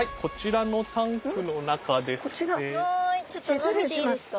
はいちょっと見ていいですか？